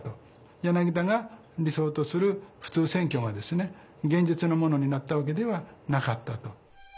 柳田が理想とする普通選挙が現実のものになったわけではなかったと。